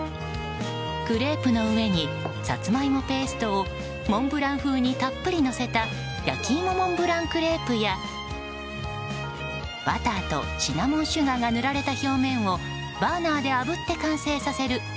クレープの上にサツマイモペーストをモンブラン風にたっぷりのせたやきいもモンブランクレープやバターとシナモンシュガーが塗られた表面をバーナーであぶって完成させる